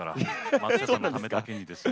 松下さんのためだけにですね。